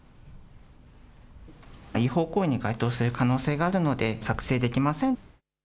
違法行為に該当する可能性があるので、作成できません。